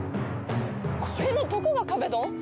これのどこが壁ドン？